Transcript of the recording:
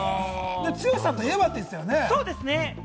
剛さんといえばって言ってたよね？